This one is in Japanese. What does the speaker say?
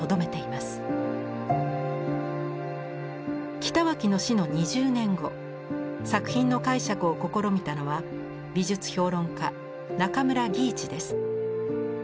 北脇の死の２０年後作品の解釈を試みたのは美術評論家中村義一です。